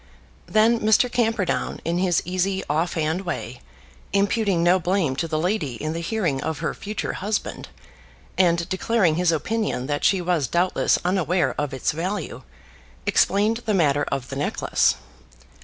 Then Mr. Camperdown, in his easy, off hand way, imputing no blame to the lady in the hearing of her future husband, and declaring his opinion that she was doubtless unaware of its value, explained the matter of the necklace.